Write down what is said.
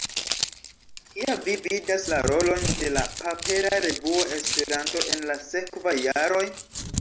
Kia vi vidas la rolon de la papera revuo Esperanto en la sekvaj jaroj?